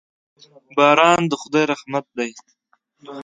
باران د خداي رحمت دي.